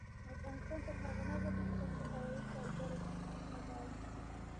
افغانستان تر هغو نه ابادیږي، ترڅو هوایي کارګو خدمتونه فعال نشي.